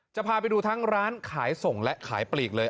จะพาไปดูทั้งร้านขายส่งและขายปลีกเลย